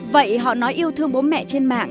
vậy họ nói yêu thương bố mẹ trên mạng